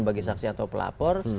bagi saksi atau pelapor